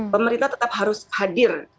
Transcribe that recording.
pemerintah tetap harus hadir